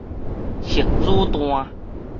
核子彈